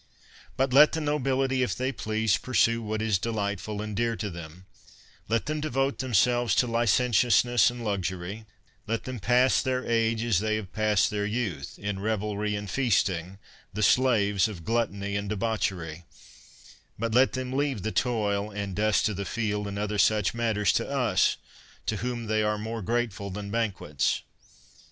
But let the nobility, if they please, pur sue what is delightful and dear to them; let 48 CAIUS MARIUS them devote themselves to licentiousness and luxury; let them pass their age as they have passed their youth, in revelry and feasting, the slaves of gluttony and debauchery ; but let them leave the toil and dust of the field, and other such matters, to us, to whom they are more grateful than banquets.